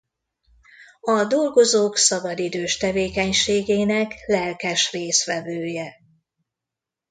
A dolgozók szabadidős tevékenységének lelkes részvevője.